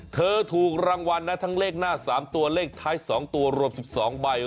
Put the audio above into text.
ถูกรางวัลนะทั้งเลขหน้า๓ตัวเลขท้าย๒ตัวรวม๑๒ใบ